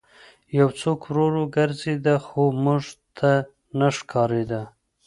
یو څوک ورو ورو ګرځېده خو موږ ته نه ښکارېده